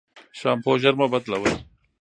شامپو ژر مه بدلوی.